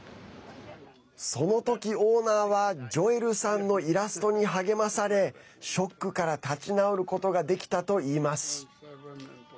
その時オーナーはジョエルさんのイラストに励まされショックから立ち直ることができたといいます。